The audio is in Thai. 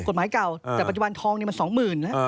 กฎหมายเก่าแต่ปัจจุบันทองมัน๒๐๐๐นะ